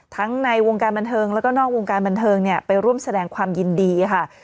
ในวงการบันเทิงแล้วก็นอกวงการบันเทิงเนี่ยไปร่วมแสดงความยินดีค่ะ